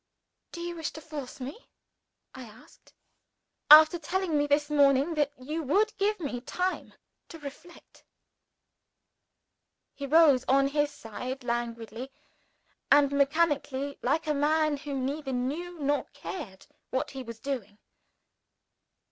"Do you wish to force me?" I asked, "after telling me this morning that you would give me time to reflect?" He rose, on his side languidly and mechanically, like a man who neither knew nor cared what he was doing.